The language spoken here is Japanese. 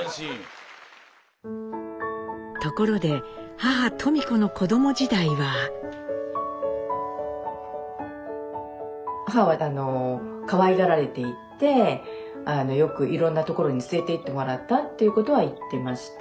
ところで母登美子の子ども時代は。母はあのかわいがられていてよくいろんな所に連れていってもらったっていうことは言ってました。